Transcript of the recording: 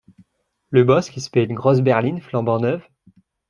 Le boss qui se paie une grosse berline flambant neuve